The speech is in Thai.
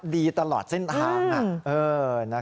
ดีตลอดสิ้นทางนะ